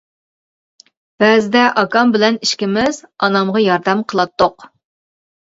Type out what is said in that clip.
بەزىدە ئاكام بىلەن ئىككىمىز ئانامغا ياردەم قىلاتتۇق.